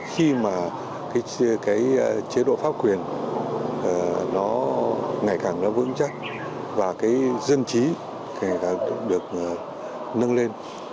nhưng mà cái chế độ pháp quyền nó ngày càng vững chắc và cái dân trí ngày càng được nâng lên